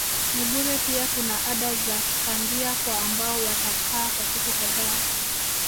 ni bure pia kuna ada za kikambia kwa ambao watakaa kwa siku kadhaa